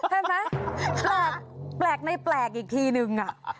ใช่ไหมแปลกในแปลกอีกทีนึง